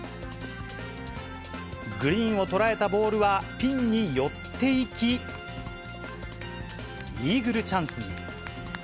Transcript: グリーンを捉えたボールは、ピンに寄っていき、イーグルチャンスに。